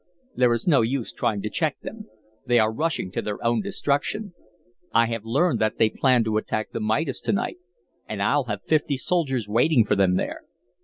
"There is no use trying to check them. They are rushing to their own destruction. I have learned that they plan to attack the Midas to night, and I'll have fifty soldiers waiting for them there.